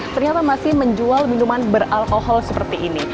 ternyata masih menjual minuman beralkohol seperti ini